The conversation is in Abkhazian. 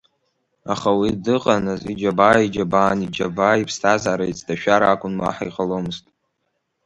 Аха уи дыҟанаҵ иџьабаа иџьабаан, иџьабааи иԥсҭазаареи еицҭашәар акәын, уаҳа иҟаломызт…